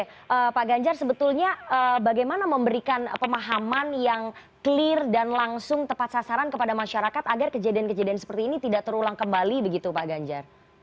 oke pak ganjar sebetulnya bagaimana memberikan pemahaman yang clear dan langsung tepat sasaran kepada masyarakat agar kejadian kejadian seperti ini tidak terulang kembali begitu pak ganjar